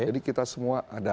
jadi kita semua ada